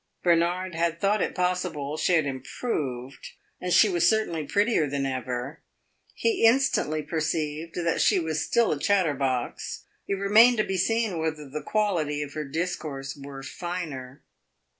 Bernard had thought it possible she had "improved," and she was certainly prettier than ever. He instantly perceived that she was still a chatterbox; it remained to be seen whether the quality of her discourse were finer.